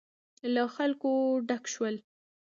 له خلکو ډک شول.